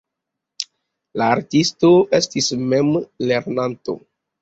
La artisto estis memlernanto.